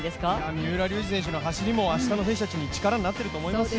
三浦龍司選手の走りも、明日の選手たちの力になっていると思いますよ。